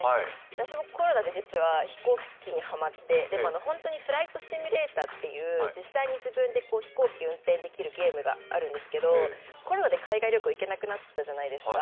私もコロナで実は飛行機にハマって、本当にフライトシミュレーターという、実際に自分で飛行機を運転できるゲームがあるんですけどコロナで海外旅行に行けなくなったじゃないですか。